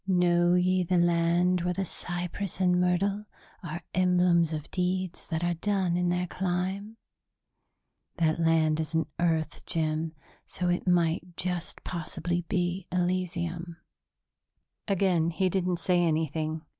'Know ye the land where the cypress and myrtle are emblems of deeds that are done in their clime...?' That land isn't Earth, Jim, so it might just possibly be Elysium." Again he didn't say anything.